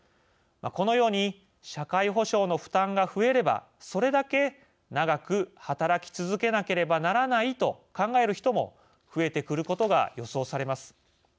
このように社会保障の負担が増えればそれだけ長く働き続けなければならないと考える人も増えてくることが予想されます。